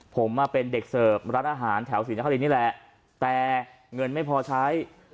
ผมมาเป็นเด็กเสิร์ฟร้านอาหารแถวศรีนครินนี่แหละแต่เงินไม่พอใช้